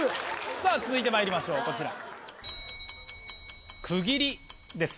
さぁ続いてまいりましょうこちら。